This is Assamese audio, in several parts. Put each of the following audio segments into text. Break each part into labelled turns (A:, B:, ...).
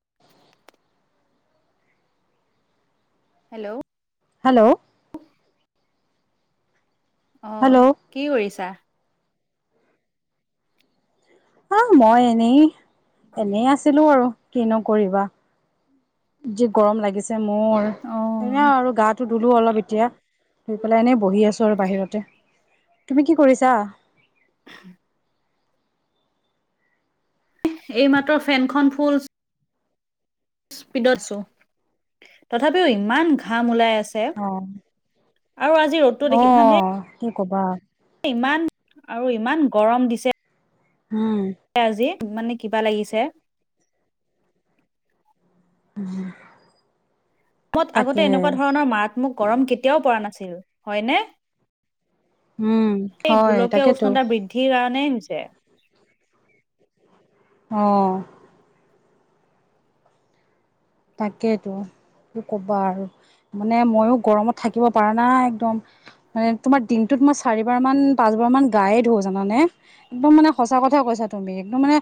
A: [unintelligible] হেল্ল'
B: হেল্ল'
A: অ
B: হেল্ল'
A: কি কৰিছা
B: আহ মই এনেই এনেই আছিলো আৰু ক নকৰিবা য গৰম লাগিছে মৰ
A: অ
B: এনে আৰু গা ো ধুলো অলপ এতিয়া ধুই পেলাই এনেই বহি আছো ওচৰ বাহিৰতে তুমি কি কৰিছা
A: উ এইমাত্ৰ ফেনখন ফুল স্পীডত চো তথাপিও ইমান ঘাম ওলাই আছে
B: অ
A: আৰু আজি ৰ'দটো দেখিছানে
B: আহ কি কবা
A: ইমান আৰু ইমান গৰম দিছে
B: উম
A: আজি মানে কিবা লাগিছে
B: উ
A: মত আগতে এনেকুৱা ধৰণৰ মাৰাত্মক গৰম কেতিয়াও পৰা নাছিল হয়নে
B: উম
A: এই
B: হয়
A: গোলকীয়
B: তাকেতো
A: উষ্ণতা বৃদ্ধিৰ কাৰণে হৈছে
B: অ তাকেইটোো ক'বা আৰু মানে মইো গৰমত থাকিব পাৰা নাই একদম মানে তোমাৰ দিনটোত মই চাৰিবাৰ মান পাঁচ বাৰ মান গায়ে ধো জানানে একদম মানে সঁচা কথাাই কৈছা তুমি একদম মানে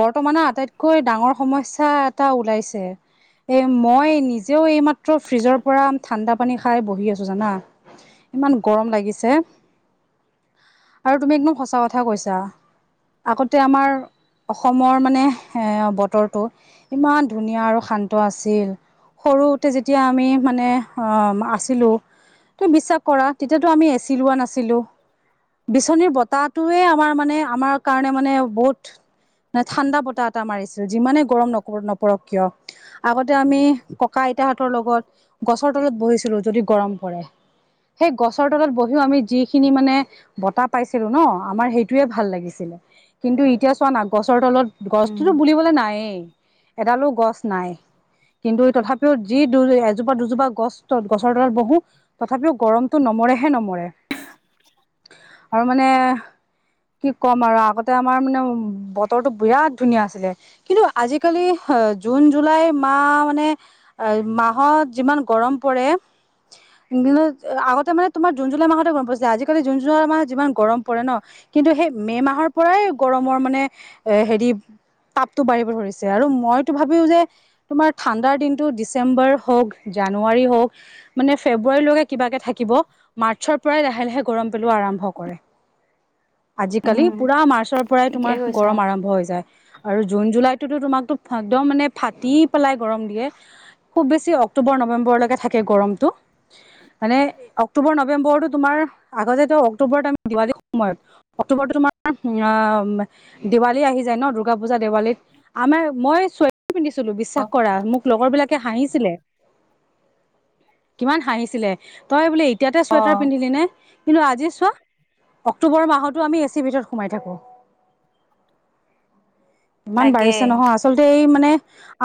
B: বৰ্তমানে আটাইতকৈ ডাঙৰ সমস্যা এটা ওলাইছে এ মই নিজেও এইমাত্ৰ ফ্ৰিজৰ পৰা ঠাণ্ডা পানী খাই বহি আছো জানা ইমান গৰম লাগিছে আৰু তুমি একদম সঁচা কথা কৈছা আগতে আমাৰ অসমৰ মানে এ বতৰটো ইমান ধুনীয়া আৰু শান্তি আছিল সৰুতে যেতিয়া আমি মানে আছিলোঁ তুমি বিশ্বাস কৰা তেতিয়াতো আমি এচি লোৱা নাছিলো বিচনীৰ বতাহটোোৱে আমাৰ মানে আমাৰ কাৰণে মানে বহুত নে ঠাণ্ডা বতাহ এটা মাৰিছিল যিমানেই গৰম ন নপৰক কিয় আগতে আমি ককা আইতাহঁতৰ লগত গছৰ তলত বহিছিলো যদি গৰম পৰে সেই গছৰ তলত বহিও আমি যিখিনি মানে বতাহ পাইছিলো ন আমাৰ সেইটোয়ে ভাল লাগিছিলে কিন্তু এতিয়া চোৱা না গছৰ তলত
A: উম
B: গছটোতো বুলিবলৈ নায়েই এডালো গছ নাই কিন্তু তথাপিও যি দু এজোপা দুজোপা গছ গছৰ তলত বহো তথাপিও গৰমতটো নম মৰেহে নমৰে
A: [unintelligible]
B: আৰু মানে কি ক'ম আৰু আগতে আমাৰ মানে বতৰটো বিৰাট ধুনীয়া আছিলে কিন্তু আজিিকালি জুন জুলাই মাহ মানে মাহত যিমান গৰম পৰে আগতে মানে তোমাৰ জোনন জুলাই মাহতে গম পাইছে আজিকালি জোন জুলাই মাহত যিমান গৰম পৰে ন কিন্তু সেই মে' মাহৰ পৰাই গৰমৰ মানে এ হেৰি তাপো বাঢ়িব ধৰিছে আৰু মই ভাবও যে তোমাৰ ঠাণ্ডাৰ দিনতটো ডিচেম্বৰ হওক জানুৱাৰী হওক মানে ফেবাৰ ে কিবাকে থাকিব মাৰ্চৰ পৰাই লাহে লাহে গৰম পেলোৱা আৰম্ভ কৰে
A: উ
B: আজিকালি পুৰা মাৰ্চৰ পৰাই তোমাৰ
A: কৈছা
B: গৰম আৰম্ভ হৈ যায় আৰু জুন জুলাইটোতো তোমাকতো একদম মানে ফাটি পেলাই গৰম দিয়ে খুব বেছি অক্টোবৰ নৱেম্বৰলৈকে থাকে গৰমটো মানে অক্টোবৰ নৱেম্বৰৰতো তোমাৰ আগতে অক্টোবৰতম দিৱালীৰ সময়ত অক্টোবৰত তোমাৰ দেৱালী আহি যায় ন দুৰ্গা পূজা দেৱালীত আমাৰ মই চুৱেটাৰ পিন্ধিছিলো
A: অ
B: বিশ্বাস কৰা মোক লগৰ বিলাকে হাঁহিছিলে কিমান হাঁহিছিলে তই বোলে এতিয়াতে
A: অ
B: চুৱেটাৰ পিন্ধিলি নে কিন্তু আজি চোৱা অক্টোবৰৰ মাহতো আমি এ চিৰ ভিতৰত সোমাই থাকোঁ
A: [inaudible]
B: ইমান বাঢ়িছে নহয় আ এই মানে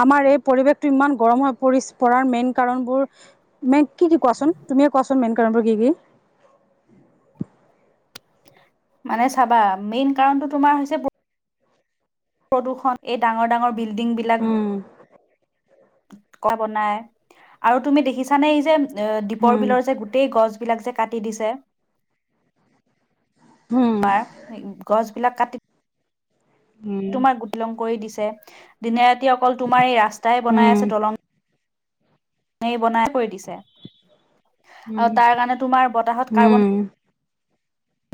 B: আমাৰ এই পৰিৱেশটো ইমান গৰম হৈ পৰি পৰাৰ মেইন কাৰণ হ'ল কি কি কোৱাচোন তুমিয়ে কোৱাচোন মেইন কাৰণবোৰ কি কি
A: মানে চাবা মেইন কাৰণটো তোমাৰ হৈছে প্ৰদূষণ এই ডাঙৰ ডাঙৰ বিল্ডিংবিলাক
B: উম
A: কোৱা বনাই আৰু তুমি দেখিছ নে এই যে এ দ্বীপৰ
B: হম
A: বিলৰ যে গোটেই গছ বিলাক যে কাটি দিছে
B: হম
A: [unintelligible] গছবিলাক কাটি
B: উম
A: তোমাক গুটলং কৰি দিছে দিনে ৰাতি অকল তোমাৰ এই ৰাস্তাই বনাই আছে
B: উম,
A: দলং বনাই কৰি দিছে
B: উম,
A: আৰু তাৰ কাৰণে তোমাৰ বতাহত
B: উম,
A: কাৰ্বন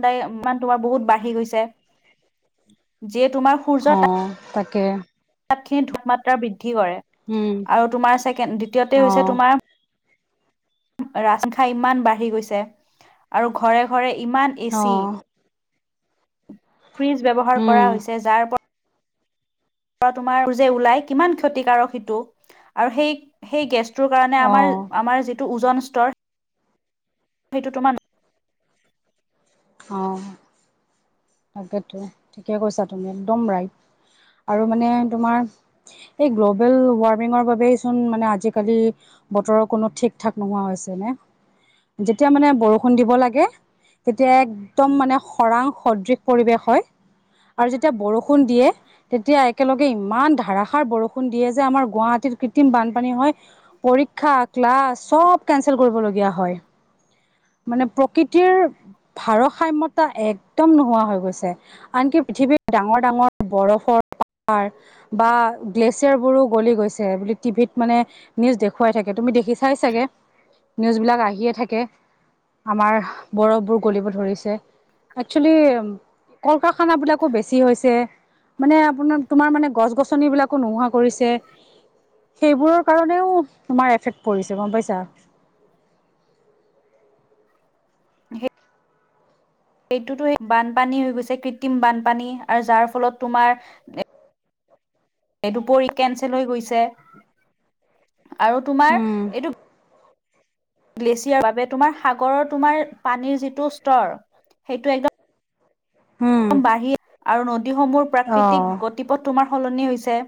A: দায়ান তোমাৰ বহুত বাঢ়ি গৈছে যিয়ে তোমাৰ সূৰ্য তাপ
B: অ', তাকে
A: ধূমমাত্ৰা বৃদ্ধি কৰে
B: উম,
A: আৰু তোমাৰ ছেকেণ্ড দ্বিতীয়তে হৈছে
B: অ',
A: তোমাৰ ৰাজ খা ইমান বাঢ়ি গৈছে আৰু ঘৰে ঘৰে ইমান এচি
B: অ',
A: ফ্ৰিজ ব্যৱহাৰ কৰা
B: উম,
A: হৈছে যাৰপৰা তম ল ক সটো স গ কাৰণে আমাৰ
B: অ',
A: আমাৰ যিটো ওজন [unintelligible]
B: অ তাকেতো ঠিকে কৈছা তুমি একদম ৰাইট আৰু মানে তোমাৰ এই গ্ল'বেল ৱাৰ্মিঙৰ বাবেই চোন মানে আজিকালি বতৰৰ কোনো ঠিক ঠাক নোহোৱা হৈছে নে যেতিয়া মানে বৰষুণ দিব লাগে তেতিয়া একদম মানে খৰাং সদৃশ পৰিৱেশ হয় আৰু যেতিয়া বৰষুণ দিয়ে তেতিয়া একেলগে ইমান ধাৰাসাৰ বৰষুণ দিয়ে যে আমাৰ গুৱাহাটী কৃত্ৰিম বানপানী হয় পৰীক্ষা ক্লাছ চব কেনচেল কৰিবলগীয়া হয় মানে প্ৰকৃতিৰ ভাৰসাম্যতা একদম নোহোৱা হৈ গৈছে আনকি পৃথিৱীৰত ডাঙৰ ডাঙৰ বৰফৰ বা গ্লেছিয়াৰ বোৰো গলি গৈছে বুলি টিভিত মানে নিউজ দেখুৱাই থাকে তু আমি দেখি চাই চাগে নিউজ বিলাক আহিয়ে থাকে আমাৰ বৰফবোৰ গলিব ধৰিছে একচেলি কল কাৰখানাবিলাকো বেছি হৈছে মানে আপোনাৰ তোমাৰ মানে গছ গছনি বিলাকো নোহোৱা কৰিছে সেইবোৰৰ কাৰণেও তোমাৰ এফেক্ট পৰিছে গম পাইছা
A: [inaudible] সেইটোতো বানপানী হৈ গৈছে কৃত্ৰিম বানপানী আৰু যাৰ ফলত তোমাৰ এই দুপৰি কেনচেল হৈ গৈছে আৰু তোমাৰ
B: উম
A: এইটো গ্লেছিয়াৰ বাবে তোমাৰ সাগৰৰ তোমাৰ পানীৰ যিটো স্তৰ সেইটো একদম
B: উম
A: বাঢ়ী আৰু নদীসমূহ প্ৰাকৃতিক
B: অঁ
A: গতিপথ তোমাৰ সলনি হৈছে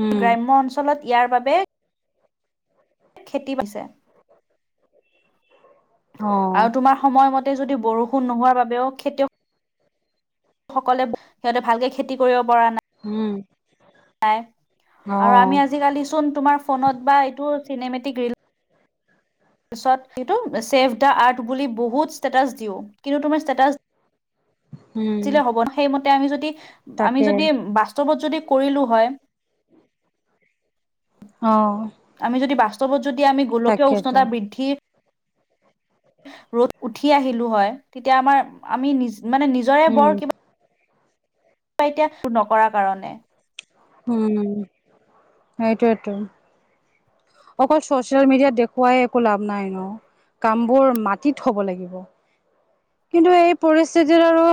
B: উম
A: গ্ৰাম্য অঞ্চলত ইয়াৰ বাবে খেতি [unintelligible]
B: [inaudible] অঁ
A: আৰু তোমাৰ সময়মতে যদি বৰষুণ নোহোৱাৰ বাবেও খেতিয়ক সকলে সিহঁতে ভালকে খেতি কৰিব পৰা নাই
B: উম
A: নাই আৰু
B: অঁ
A: আমি আজিকালি চোন তোমাৰ ফোনত বা এইটো চিনেমেটিক ৰিল পিছত সেইটো ছেভ দা আৰ্ট বুলি বহুত ষ্টেটাছ দিওঁ কিন্তু তুমি ষ্টেটাছ
B: উম
A: হ'ব ন সেইমতে আমি যদি আমি
B: তাকে
A: যদি বাস্তৱত যদি কৰিলোঁ হয়
B: অ
A: উৎসৱত যদি আমি গোলকীয়
B: তাকেতো
A: উষ্ণতা বৃদ্ধি ৰ'দ উঠি আহিলো হয় তেতিয়া আমাৰ আমি নিজ মানে নিজৰে বৰ
B: উম
A: কিবা [unintelligible] নকৰাৰ কাৰণে
B: উম সেইটোৱেটো অকল চচিয়েল মিডিয়াত দেখুৱাই একো লাভ নাই ন কামবোৰ মাটিত হব লাগিব। কিন্তু এই পৰিস্থিতিত আৰু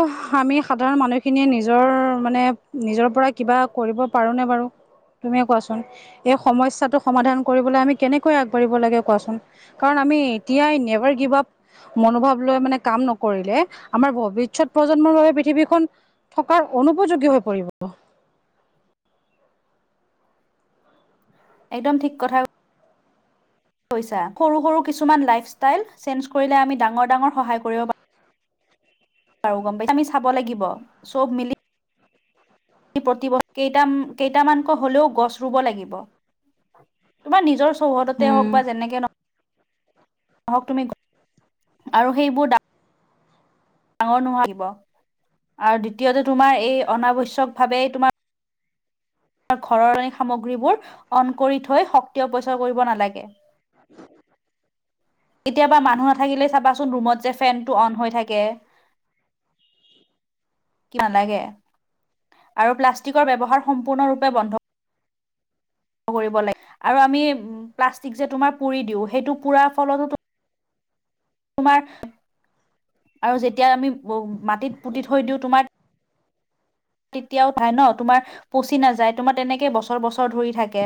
B: আমি সাধাৰণ মানুহখিনিয়ে নিজৰ মানে নিজৰ পৰা কিবা কৰিব পাৰোনে বাৰু তুমি কোৱাচোন এই সমস্যাটো সমাধান কৰিবলৈ আমি কেনেকৈ আগবাঢ়িব লাগে কোৱাচোন কাৰণ আমি এতিয়াই নেভাৰ গিভ আপ মনোভাৱ লৈ মানে কাম কৰিলে আমাৰ ভৱিষৎ প্ৰজন্মৰ বাবে পৃথিৱীখন থকাৰ অনুপযোগী হৈ পৰিব।
A: [inaudible] একদম ঠিক কথা সৰু সৰু কিছুমান লাইফষ্টাইল চেঞ্জ কৰিলে আমি ডাঙৰ ডাঙৰ সহায় কৰিব পাৰোঁ আমি চাব লাগিব চব মিলি প্ৰতিবছৰে কেইটামানকৈ হলেও গছ ৰুব লাগিব। তোমাৰ নিজৰ চৌহদতে
B: উম
A: হওক বা যেনেকে নহক আহক তুমি আৰু সেইবোৰ ডাঙৰ নোহোৱািব [unintelligible] আৰু দ্বিতীয়তে তোমাৰ এই অনাৱশ্যয়ক ভাৱে তোমাৰ ঘৰৰে সামগ্ৰীবোৰ অন কৰি থৈ শক্তি অপচয় কৰিব নালাগে কেতিয়াবা মানুহ নাথাকিলে চাবাচোন ৰুমত যে ফেনটো অন হৈ থাকে কি [unintelligible] নালাগে আৰু প্লাষ্টিকৰ ব্যৱহাৰ সম্পূৰ্ণৰূপে বন্ধ আৰু আমি প্লাষ্টিক যে তোমাৰ পুৰি দিওঁ সেইটো পোৰাৰ ফলতো তোমাৰ আৰু যেতিয়া আমি মাটিত পুতি থৈ দিওঁ তোমাৰ তেতিয়াও পাই ন তোমাৰ পচি নাযায় তোমাৰ তেনেকেই বছৰ বছৰ ধৰি থাকে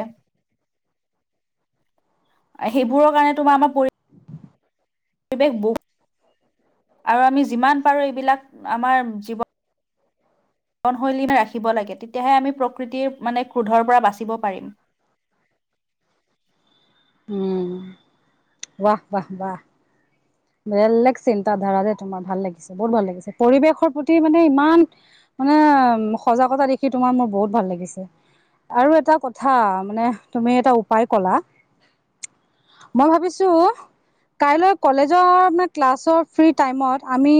A: সেইবোৰৰ কাৰণে তোমাৰ আমাৰ পৰিৱেশ বহুত আৰু আমি যিমান পাৰো এইবিলাক আমাৰ জীৱন উ [inaudible] ৰাখিব লাগে তেতিয়াহে আমি প্ৰকৃতিৰ মানে ক্ৰোধৰ পৰা বাচিব পাৰিম। [inaudible]
B: উম ৱাহাহ ৱাহ বেলেগ চিন্ত ধাৰা যে তোমাৰ ভাল লাগিছে বহুত ভাল লাগিছে পৰিৱেশৰ প্ৰতি মানে ইমান মানে সজাগতা দেখি তোমাৰ মোৰ বহুত ভাল লাগিছে আৰু এটা কথা মানে তুমি এটা উপায় কলা মই ভাবিছো কাইলৈ কলেজ ক্লাছৰ ফ্ৰী টাইমত অমি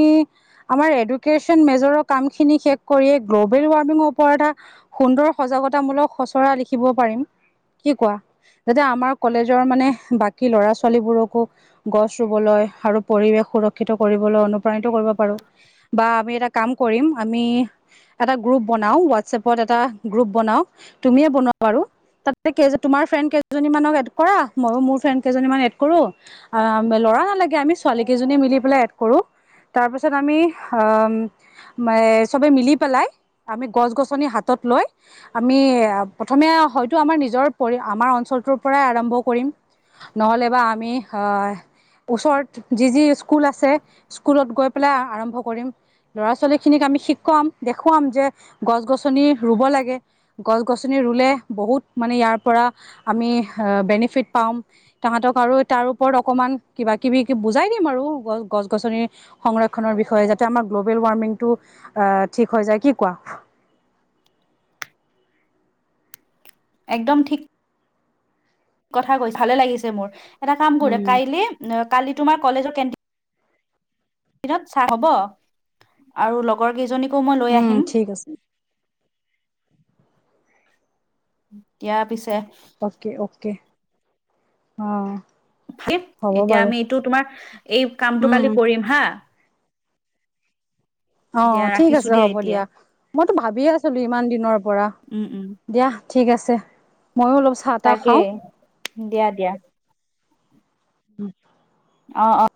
B: আমাৰ এডুকেশ্বন মেজৰৰ কামখিনি শেষ কৰি গ্ল'বেল ৱাৰ্মিঙৰ ওপৰত এটা সুন্দৰ সজাগতামূলক খচৰা লিখিব পাৰিম। কি কোৱা যাতে আমাৰ কলেজৰ মানে বাকী লৰা ছোৱালীবোৰকো গছ ৰুবলৈ আৰু পৰিৱেশ সুৰক্ষিত কৰিবলৈ অনুপ্ৰাণিত কৰিব পাৰো বা আমি এটা কাম কৰিম আমি এটা গ্ৰুপ বনাও হোৱাটছএপত এটা গ্ৰুপ বনাও তুমিয়ে বনোৱা বাৰু তাতে তোমাৰ ফ্ৰেণ্ড কেইজনী মানক এড কৰা মইো মোৰ ফ্ৰেণ্ড কেইজনী মান এড কৰো লৰা নালাগে আমি ছোৱালী কেইজনী মিলি পেলাই এড কৰো তাৰ পিছত আমি অ ম চবে মিলি পেলাই আমি গছ গছনি হাতত আমি প্ৰথমে হয়তো আমাৰ নিজৰ পৰি আমাৰ অঞ্চলটোৰ পৰাই আৰম্ভ কৰিম নহ'লে বা আমি অ'। ওচৰত যি যি স্কুল আছে স্কুলত গৈ পেলাই আৰম্ভ কৰিম, ল'ৰা-ছোৱালীখিনিক আমি শিকাম, দেখুৱাম যে গছ-গছনি ৰুব লাগে, গছ-গছনি ৰুলে বহুত মানে ইয়াৰ পৰা আমি বেনিফিট পাম তাহাঁতক আৰু তাৰ ওপৰত অকমান কিবাকিবি বুজাই দিম আৰু গছ গছ-গছনিৰ সংৰক্ষণৰ বিষয়ে যাতে আমাৰ গ্ল'বেল ৱাৰ্মিংটো অ', ঠিক হৈ যায়, কি কোৱা।
A: [inaudible] একদম ঠিক কথা কৈ ভালে লাগিছে মোৰ এটা কাম কৰে
B: উম
A: কাইলে কালি তোমাৰ কলেজৰ কেনটি দিনত চা হ'ব আৰু লগৰ কেইজনী
B: উম, ঠিক আছে।
A: দিয়া পিছে।
B: অ'কে, অ'কে অ'। হ'ব
A: এতিয়া
B: বাৰু
A: আমি এইটো তোমাৰ এই কামটো
B: উম,
A: কালি কৰিম হা। দিয়া
B: অ', ঠিক
A: ৰাখিছো
B: আছে হ'ব
A: এতিয়া
B: দিয়া। মইতো ভাবিয়ে আছিলো ইমান দিনৰ পৰা,
A: উম, উম।
B: দিয়া ঠিক আছে। ময়ো অলপ চাহ তাহ খাওঁ।
A: তাকেই দিয়া দিয়া অ', অ'।